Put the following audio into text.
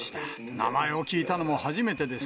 名前を聞いたのも初めてです。